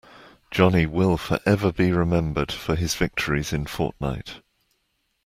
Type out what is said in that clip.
Johnny will forever be remembered for his victories in Fortnite.